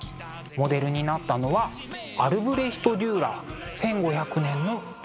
モデルになったのはアルブレヒト・デューラー「１５００年の自画像」。